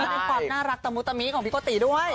ในกรอดน่ารักตะมุตตะมีของพี่กติด้วย